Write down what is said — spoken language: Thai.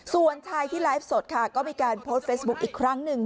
ส่วนชายที่ไลฟ์สดค่ะก็มีการโพสต์เฟซบุ๊คอีกครั้งหนึ่ง